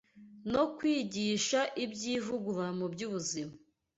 no kwigisha iby’ivugurura ry’ubuzima